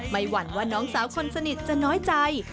หวั่นว่าน้องสาวคนสนิทจะน้อยใจ